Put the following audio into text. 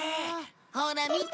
ほら見て。